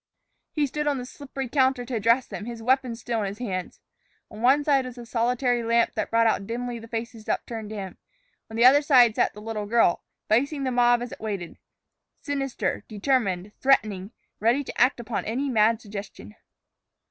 He stood on the slippery counter to address them, his weapons still in his hands. On one side was a solitary lamp that brought out dimly the faces upturned to him; on the other sat the little girl, facing the mob as it waited, sinister, determined, threatening, ready to act upon any mad suggestion.